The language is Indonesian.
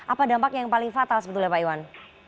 apa dampaknya yang paling fatal sebetulnya pak iwan